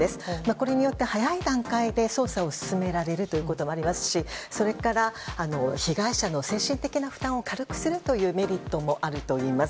これによって早い段階で捜査を進められるということもありますしそれから、被害者の精神的な負担を軽くするというメリットもあるといいます。